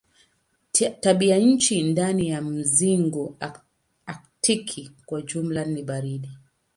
Tabianchi ndani ya mzingo aktiki kwa jumla ni baridi.